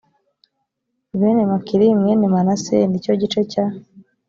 bene makiri mwene manase ni cyo cya gice cya